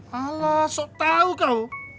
wala sok tau kaw